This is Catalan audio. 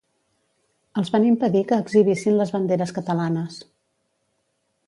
Els van impedir que exhibissin les banderes catalanes.